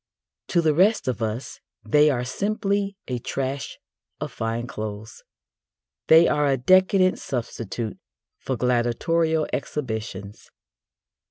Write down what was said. To the rest of us they are simply a trash of fine clothes. They are a decadent substitute for gladiatorial exhibitions.